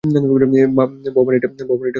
ভবানীটা আবার কে?